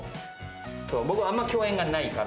僕はあまり共演がないから。